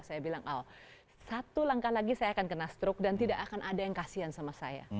saya bilang oh satu langkah lagi saya akan kena stroke dan tidak akan ada yang kasihan sama saya